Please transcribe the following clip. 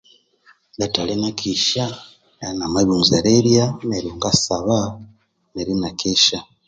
Ngathali nakesya ngabya namabirighunza erirya, neryo ngasaba neryo ina kesya.